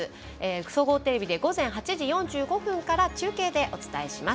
総合テレビで午前８時４５分から中継でお伝えします。